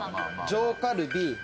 上カルビ。